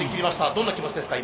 どんな気持ちですか？